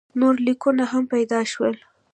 نور لیکونه هم پیدا شول.